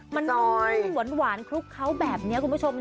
มันอื้มหวานครบเขาแบบนี้คุณผู้ชม